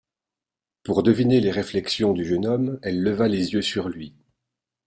Pour deviner les réflexions du jeune homme, elle leva les yeux sur lui.